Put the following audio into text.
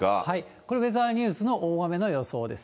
これウェザーニュースの大雨の予想です。